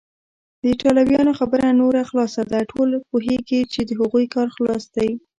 د ایټالویانو خبره نوره خلاصه ده، ټوله پوهیږي چې د هغوی کار خلاص دی.